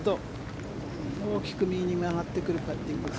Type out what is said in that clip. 大きく右に曲がってくるパッティング。